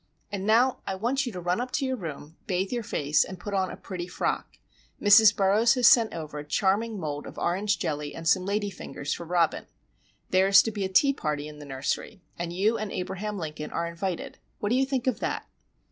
"And now I want you to run up to your room, bathe your face, and put on a pretty frock. Mrs. Burroughs has sent over a charming mould of orange jelly and some lady fingers for Robin. There is to be a tea party in the nursery, and you and Abraham Lincoln are invited. What do you think of that?"